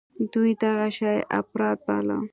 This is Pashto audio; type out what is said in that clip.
دوى دغه شى اپرات باله.